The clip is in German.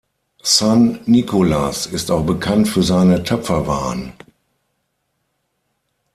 San Nicolas ist auch bekannt für seine Töpferwaren.